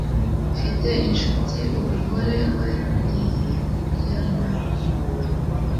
Mfite inshuti umugore we ni piyano.